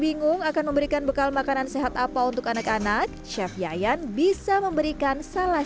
bingung akan memberikan bekal makanan sehat apa untuk anak anak chef yayan bisa memberikan salah